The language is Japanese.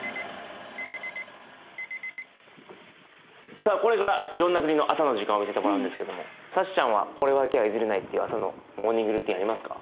さあこれからいろんな国の朝の時間を見せてもらうんですけどもサチちゃんはこれだけは譲れないっていう朝のモーニングルーティンありますか？